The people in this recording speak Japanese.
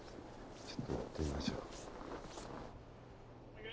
ちょっと行ってみましょう。